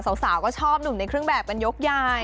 สาวก็ชอบหนุ่มในเครื่องแบบกันยกใหญ่